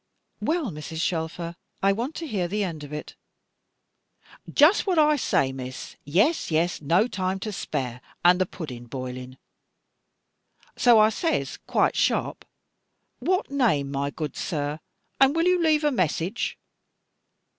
"Well, Mrs. Shelfer, I want to hear the end of it." "Just what I say, Miss. Yes, yes, no time to spare, and the pudding boiling. So I says, quite sharp, 'What name, my good sir, and will you leave a message?